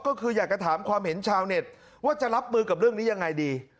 ก็คืออยากจะถามความเห็นชาวเน็ตว่าจะรับมือกับเรื่องนี้ยังไงดี